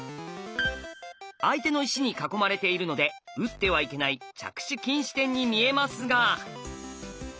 相手の石に囲まれているので打ってはいけない着手禁止点に見えますが。